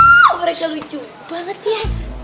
wow mereka lucu banget ya